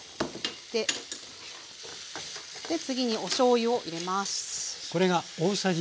次におしょうゆを入れます。